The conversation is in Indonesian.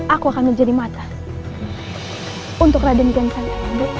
aku akan menjadi mata untuk raden gensai